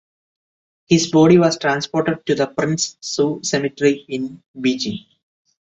His body was transported to the Prince Su Cemetery in Beijing.